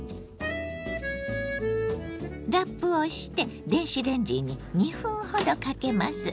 ラップをして電子レンジに２分ほどかけます。